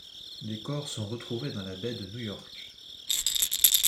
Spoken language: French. Des corps sont trouvés dans la baie de New York.